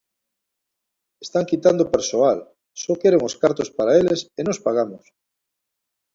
Están quitando persoal, só queren os cartos para eles e nós pagamos.